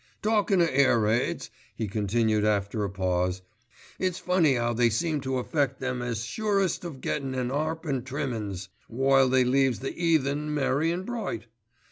"Talkin' of air raids," he continued after a pause, "it's funny 'ow they seem to affect them as are surest of gettin' an 'arp an' trimmin's, while they leaves the 'eathen merry and bright.